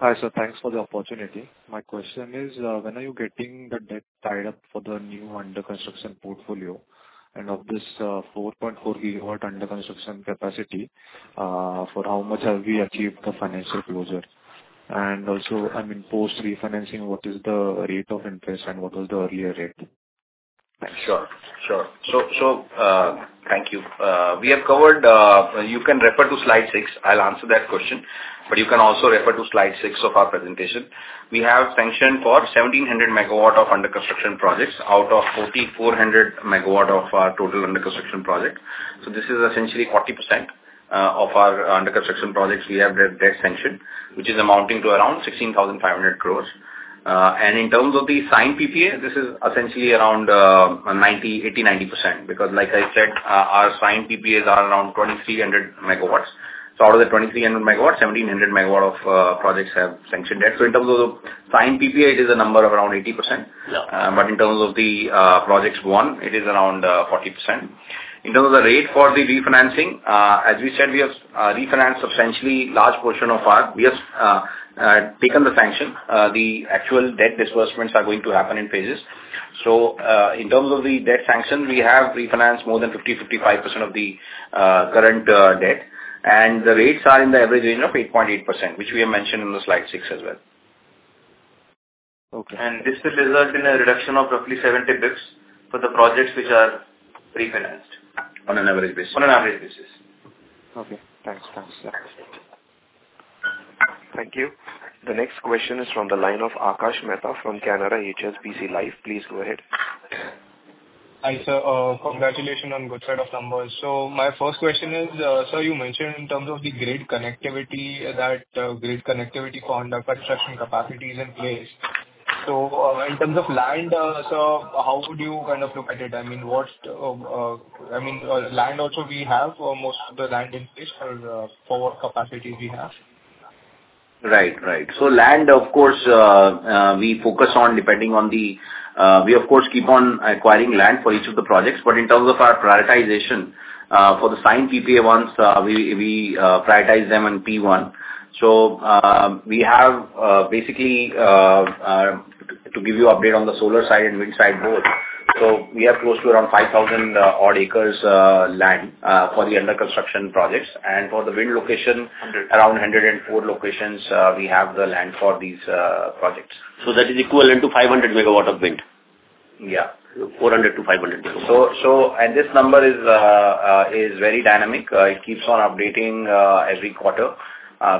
Hi, sir. Thanks for the opportunity. My question is, when are you getting the debt tied up for the new under-construction portfolio? And of this 4.4 gigawatt under-construction capacity, for how much have we achieved the financial closure? And also, I mean, post refinancing, what is the rate of interest and what was the earlier rate? Sure. Sure. So thank you. We have covered. You can refer to slide 6. I'll answer that question. But you can also refer to slide 6 of our presentation. We have sanctioned for 1,700 megawatt of under-construction projects out of 4,400 megawatt of total under-construction projects. So this is essentially 40% of our under-construction projects we have that sanctioned, which is amounting to around 16,500 crores. And in terms of the signed PPA, this is essentially around 80-90% because, like I said, our signed PPAs are around 2,300 megawatts. So out of the 2,300 megawatts, 1,700 megawatt of projects have sanctioned debt. So in terms of the signed PPA, it is a number of around 80%. But in terms of the projects won, it is around 40%. In terms of the rate for the refinancing, as we said, we have refinanced substantially a large portion of our debt. We have taken the sanction. The actual debt disbursements are going to happen in phases. So in terms of the debt sanction, we have refinanced more than 50-55% of the current debt, and the rates are in the average range of 8.8%, which we have mentioned in slide 6 as well. Okay. This will result in a reduction of roughly 70 basis points for the projects which are refinanced. On an average basis. On an average basis. Okay. Thanks. Thanks. Thank you. The next question is from the line of Akash Mehta from Canara HSBC Life. Please go ahead. Hi, sir. Congratulations on good set of numbers. So my first question is, sir, you mentioned in terms of the grid connectivity, that grid connectivity for under-construction capacities in place. So in terms of land, sir, how would you kind of look at it? I mean, what I mean, land also we have most of the land in place for what capacity we have. Right. So land, of course, we focus on. We, of course, keep on acquiring land for each of the projects. But in terms of our prioritization for the signed PPA ones, we prioritize them in P1. We have basically to give you update on the solar side and wind side both. We have close to around 5,000 odd acres land for the under-construction projects. For the wind locations, around 104 locations, we have the land for these projects. So that is equivalent to 500 megawatt of wind? Yeah. 400-500 megawatts. So this number is very dynamic. It keeps on updating every quarter.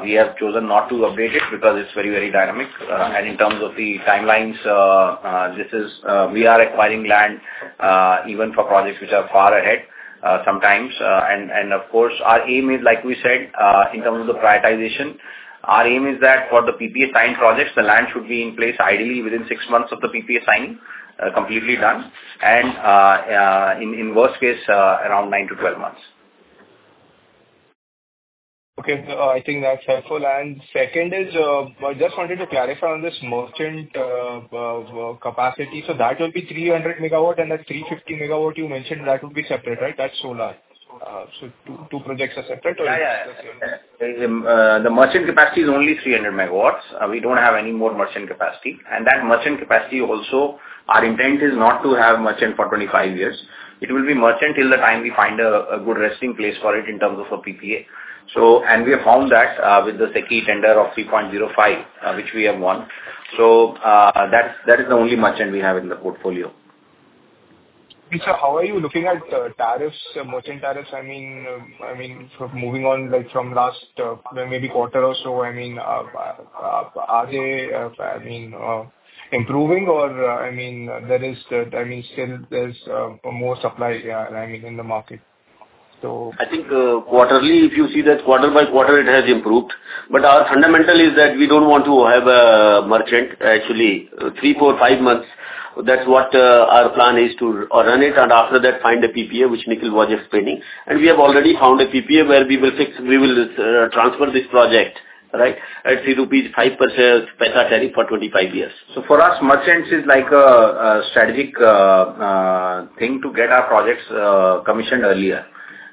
We have chosen not to update it because it's very, very dynamic. And in terms of the timelines, this is we are acquiring land even for projects which are far ahead sometimes. And of course, our aim is, like we said, in terms of the prioritization, our aim is that for the PPA signed projects, the land should be in place ideally within six months of the PPA signing, completely done. And in worst case, around 9 to 12 months. Okay. I think that's helpful, and second is, I just wanted to clarify on this merchant capacity, so that will be 300 megawatt, and that 350 megawatt you mentioned, that will be separate, right? That's solar, so two projects are separate or is it the same? The merchant capacity is only 300 megawatts. We don't have any more merchant capacity. And that merchant capacity also, our intent is not to have merchant for 25 years. It will be merchant till the time we find a good resting place for it in terms of a PPA. And we have found that with the SECI tender of 3.05, which we have won. So that is the only merchant we have in the portfolio. Okay. So how are you looking at tariffs, merchant tariffs? I mean, moving on from last maybe quarter or so, I mean, are they improving or I mean, there is still more supply, I mean, in the market? So. I think quarterly, if you see that quarter by quarter, it has improved. But our fundamental is that we don't want to have a merchant actually three, four, five months. That's what our plan is to run it. And after that, find a PPA, which Nikhil was explaining. And we have already found a PPA where we will transfer this project, right, at 3.5 rupees per share per share tariff for 25 years. So for us, merchants is like a strategic thing to get our projects commissioned earlier.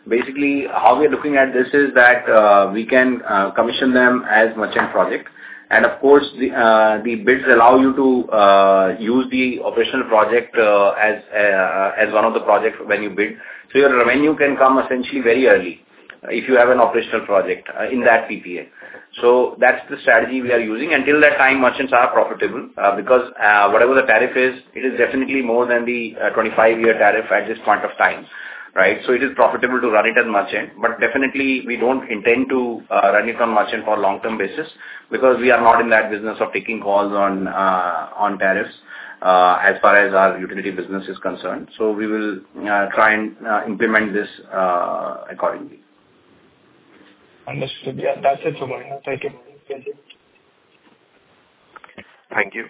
Basically, how we are looking at this is that we can commission them as merchant projects. And of course, the bids allow you to use the operational project as one of the projects when you bid. So your revenue can come essentially very early if you have an operational project in that PPA. So that's the strategy we are using. Until that time, merchants are profitable because whatever the tariff is, it is definitely more than the 25-year tariff at this point of time, right? So it is profitable to run it as merchant. But definitely, we don't intend to run it on merchant for a long-term basis because we are not in that business of taking calls on tariffs as far as our utility business is concerned. We will try and implement this accordingly. Understood. Yeah. That's it for me. Thank you. Thank you.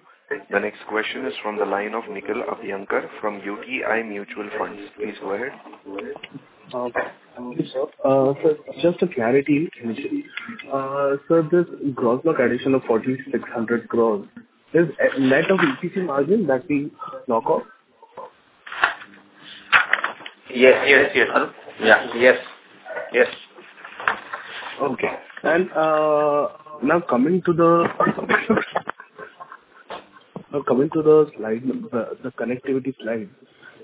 The next question is from the line of Nikhil Abhyankar from UTI Mutual Fund. Please go ahead. Okay. Thank you, sir. So just a clarity. So this gross block addition of 4,600 crores, is that of EPC margin that we knock off? Yes. Yes. Yes. Hello? Yes. Yes. Okay. And now coming to the connectivity slide,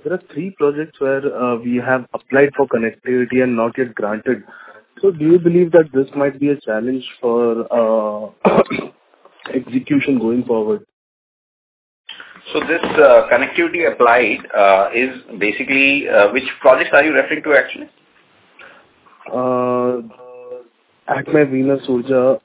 there are three projects where we have applied for connectivity and not yet granted. So do you believe that this might be a challenge for execution going forward? This connectivity applied is basically which projects are you referring to, actually? Aatman, Veena, Surya.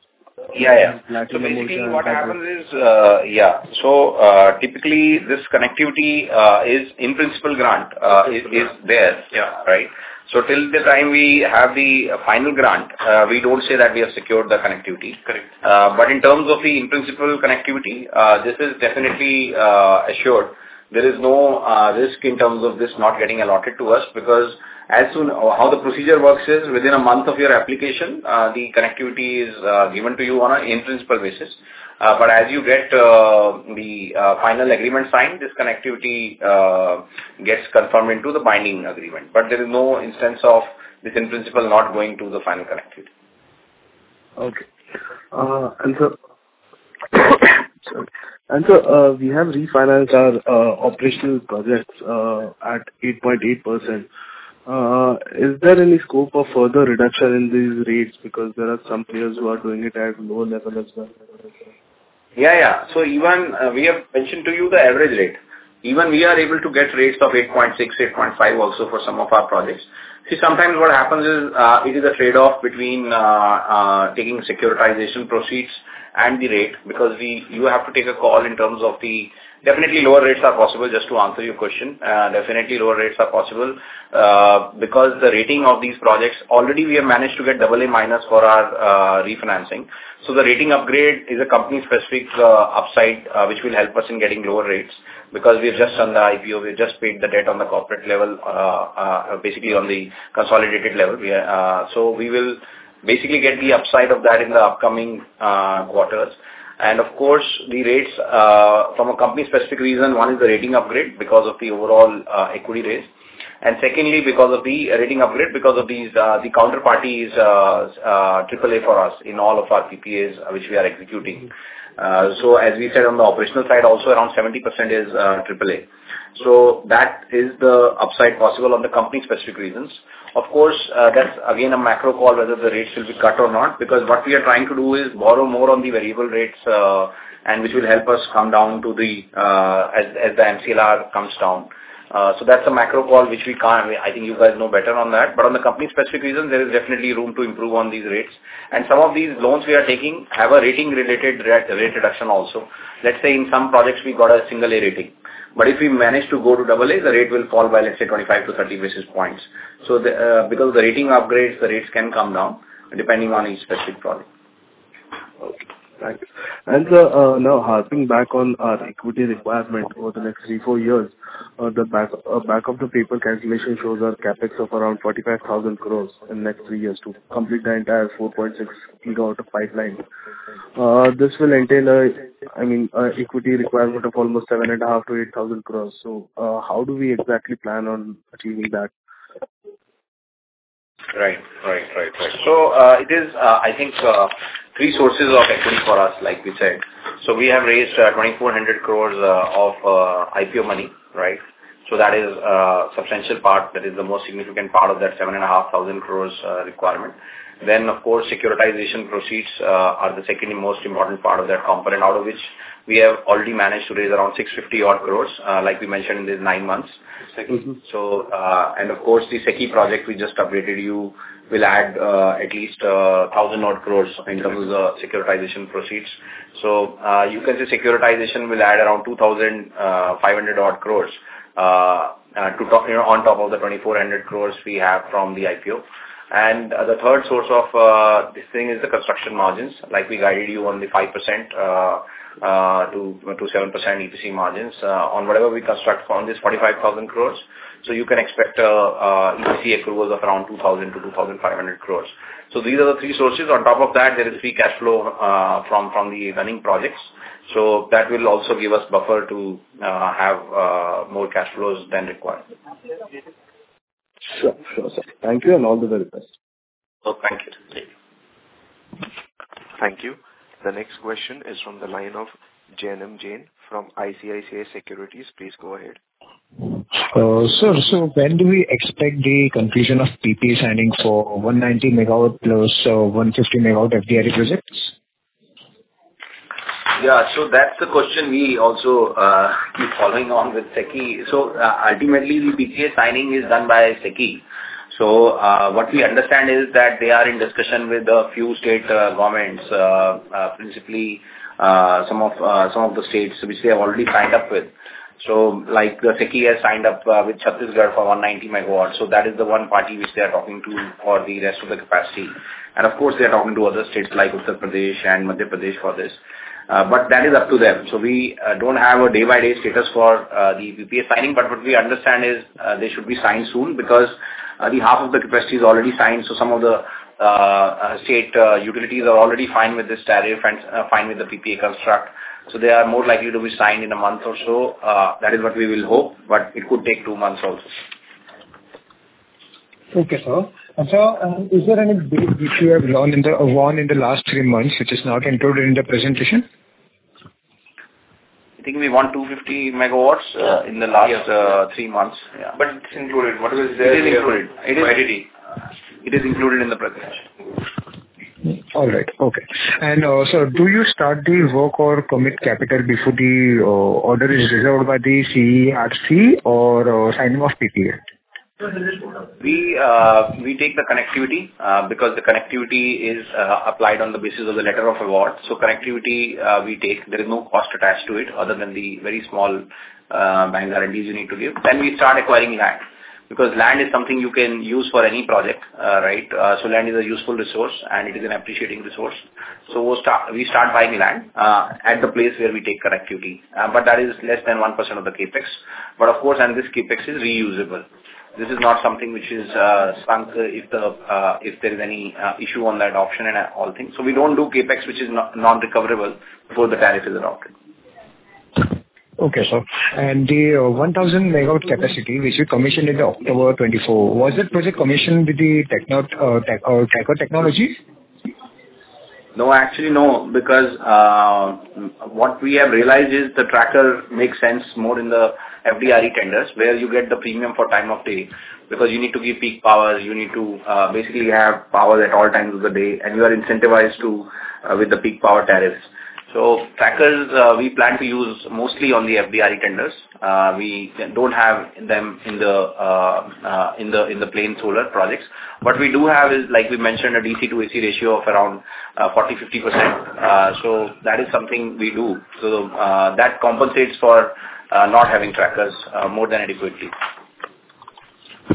Yeah. Yeah. Aatman, Veena, Surya. Yeah. So typically, this connectivity is in principle grant is there, right? So till the time we have the final grant, we don't say that we have secured the connectivity. Correct. But in terms of the in principle connectivity, this is definitely assured. There is no risk in terms of this not getting allotted to us because as soon as how the procedure works is within a month of your application, the connectivity is given to you on an in principle basis. But as you get the final agreement signed, this connectivity gets confirmed into the binding agreement. But there is no instance of this in principle not going to the final connectivity. Okay. And so, and sir, we have refinanced our operational projects at 8.8%. Is there any scope of further reduction in these rates because there are some players who are doing it at lower level as well? Yeah. Yeah. So even we have mentioned to you the average rate. Even we are able to get rates of 8.6, 8.5 also for some of our projects. See, sometimes what happens is it is a trade-off between taking securitization proceeds and the rate because you have to take a call in terms of the definitely lower rates are possible. Just to answer your question, definitely lower rates are possible because the rating of these projects already we have managed to get AA minus for our refinancing. So the rating upgrade is a company-specific upside, which will help us in getting lower rates because we have just done the IPO. We have just paid the debt on the corporate level, basically on the consolidated level. So we will basically get the upside of that in the upcoming quarters. And of course, the rates from a company-specific reason, one is the rating upgrade because of the overall equity raise. And secondly, because of the rating upgrade, because of the counterparty is AAA for us in all of our PPAs which we are executing. So as we said on the operational side, also around 70% is AAA. So that is the upside possible on the company-specific reasons. Of course, that's again a macro call whether the rates will be cut or not because what we are trying to do is borrow more on the variable rates, which will help us come down to the as the MCLR comes down. So that's a macro call, which we can't. I think you guys know better on that. But on the company-specific reason, there is definitely room to improve on these rates. And some of these loans we are taking have a rating-related rate reduction also. Let's say in some projects, we got a single-A rating. But if we manage to go to AA, the rate will fall by, let's say, 25-30 basis points. So because of the rating upgrades, the rates can come down depending on each specific project. Okay. Thanks. And sir, now harking back on our equity requirement over the next three, four years, the back-of-the-envelope calculation shows a CAPEX of around 45,000 crores in the next three years to complete the entire 4.6 gigawatt of pipeline. This will entail, I mean, an equity requirement of almost 7.5 to 8,000 crores. So how do we exactly plan on achieving that? Right. So it is, I think, three sources of equity for us, like we said. So we have raised 2,400 crores of IPO money, right? So that is a substantial part that is the most significant part of that 7.5 thousand crores requirement. Then, of course, securitization proceeds are the second most important part of that component, out of which we have already managed to raise around 650 odd crores, like we mentioned in these nine months. Second. And of course, the SECI project we just updated you will add at least 1,000 odd crores in terms of the securitization proceeds. So you can see securitization will add around 2,500 odd crores on top of the 2,400 crores we have from the IPO. And the third source of this thing is the construction margins. Like we guided you on the 5%-7% EPC margins on whatever we construct on this 45,000 crores. So you can expect EPC approvals of around 2,000-2,500 crores. So these are the three sources. On top of that, there is free cash flow from the running projects. So that will also give us buffer to have more cash flows than required. Sure. Sure, sir. Thank you and all the very best. Oh, thank you. Thank you. The next question is from the line of J.N.M. Jain from ICICI Securities. Please go ahead. Sir, so when do we expect the conclusion of PPA signing for 190 megawatt plus 150 megawatt FDRE projects? Yeah. So that's the question we also keep following on with SECI. So ultimately, the PPA signing is done by SECI. So what we understand is that they are in discussion with a few state governments, principally some of the states which they have already signed up with. So like the SECI has signed up with Chhattisgarh for 190 megawatts. So that is the one party which they are talking to for the rest of the capacity. And of course, they are talking to other states like Uttar Pradesh and Madhya Pradesh for this. But that is up to them. So we don't have a day-by-day status for the PPA signing. But what we understand is they should be signed soon because the half of the capacity is already signed. So some of the state utilities are already fine with this tariff and fine with the PPA construct. So they are more likely to be signed in a month or so. That is what we will hope. But it could take two months also. Okay, sir. And sir, is there any bid which you have won in the last three months which is not included in the presentation? I think we won 250 megawatts in the last three months. Yeah. But it's included. What was the? It is included. It is included in the presentation. All right. Okay. And sir, do you start the work or commit capital before the order is resolved by the CERC or signing of PPA? We take the connectivity because the connectivity is applied on the basis of the letter of award. So connectivity, we take. There is no cost attached to it other than the very small bank guarantees you need to give. Then we start acquiring land because land is something you can use for any project, right? So land is a useful resource, and it is an appreciating resource. So we start buying land at the place where we take connectivity. But that is less than 1% of the CAPEX. But of course, and this CAPEX is reusable. This is not something which is sunk if there is any issue on that option and all things. So we don't do CAPEX which is non-recoverable before the tariff is adopted. Okay, sir. And the 1,000 megawatt capacity which you commissioned in October 2024, was that project commissioned with the tracker technology No, actually, no. Because what we have realized is the Tracker makes sense more in the FDRE tenders where you get the premium for time of day because you need to give peak power. You need to basically have power at all times of the day. And you are incentivized with the peak power tariffs. So trackers, we plan to use mostly on the FDRE tenders. We don't have them in the plain solar projects. What we do have is, like we mentioned, a DC to AC ratio of around 40%-50%. So that is something we do. So that compensates for not having trackers more than adequately.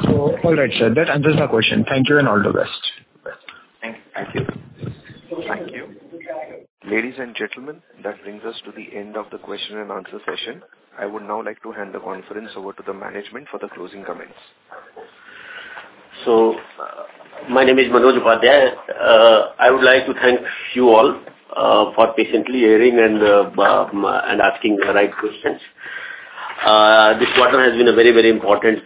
All right, sir. That answers my question. Thank you and all the best. Thank you. Thank you. Ladies and gentlemen, that brings us to the end of the question and answer session. I would now like to hand the conference over to the management for the closing comments. So my name is Manoj Upadhyay. I would like to thank you all for patiently hearing and asking the right questions. This quarter has been a very, very important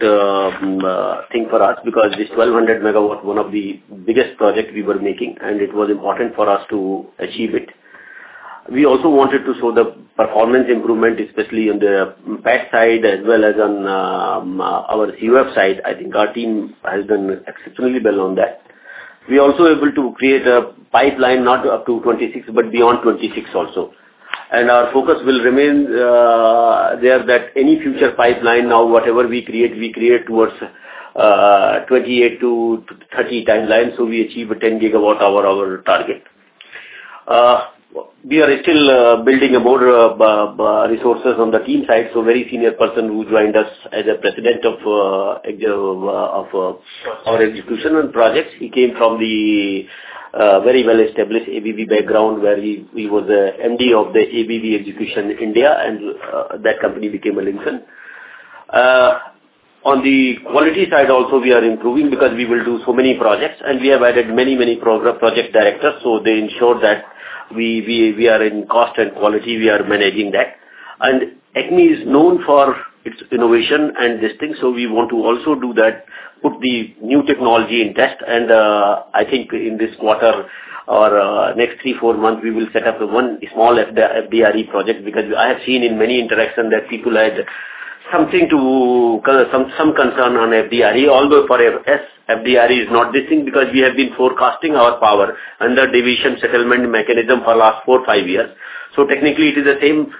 thing for us because this 1,200 megawatt, one of the biggest projects we were making, and it was important for us to achieve it. We also wanted to show the performance improvement, especially on the PAC side as well as on our CUF side. I think our team has done exceptionally well on that. We are also able to create a pipeline not up to 26 but beyond 26 also. And our focus will remain there that any future pipeline, now whatever we create, we create towards 28 to 30 timeline so we achieve a 10 gigawatt hour our target. We are still building more resources on the team side. So a very senior person who joined us as President of our Execution and Projects, he came from the very well-established ABB background where he was the MD of the ABB Execution India, and that company became a Linxon. On the quality side also, we are improving because we will do so many projects, and we have added many, many project directors. So they ensured that we are in cost and quality. We are managing that. And ACME is known for its innovation and this thing. So we want to also do that, put the new technology in test. And I think in this quarter or next three, four months, we will set up one small FDRE project because I have seen in many interactions that people had something to some concern on FDRE, although for us, FDRE is not this thing because we have been forecasting our power under deviation settlement mechanism for the last four, five years. So technically, it is the same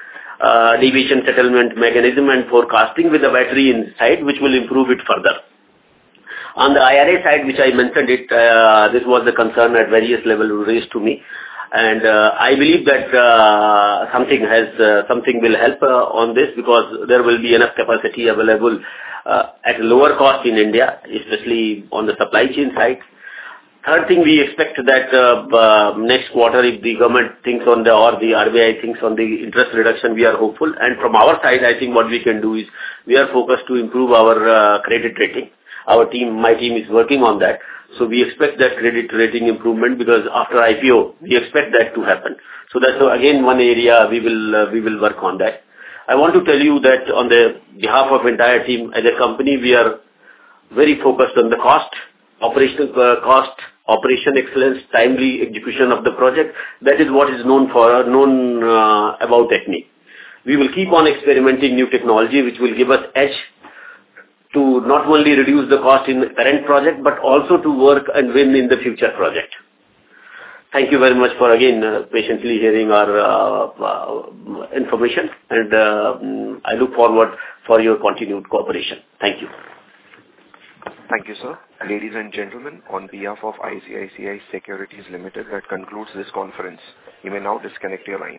deviation settlement mechanism and forecasting with the battery inside, which will improve it further. On the IRA side, which I mentioned, this was the concern at various levels raised to me. And I believe that something will help on this because there will be enough capacity available at lower cost in India, especially on the supply chain side. Third thing, we expect that next quarter, if the government thinks on the or the RBI thinks on the interest reduction, we are hopeful. And from our side, I think what we can do is we are focused to improve our credit rating. My team is working on that. So we expect that credit rating improvement because after IPO, we expect that to happen. So that's again one area we will work on that. I want to tell you that on behalf of the entire team, as a company, we are very focused on the cost, operational cost, operational excellence, timely execution of the project. That is what is known about ACME. We will keep on experimenting new technology, which will give us edge to not only reduce the cost in the current project but also to work and win in the future project. Thank you very much for, again, patiently hearing our information. And I look forward to your continued cooperation. Thank you. Thank you, sir. Ladies and gentlemen, on behalf of ICICI Securities Limited, that concludes this conference. You may now disconnect the.